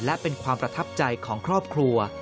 และเป็นความประทับใจของครอบครัว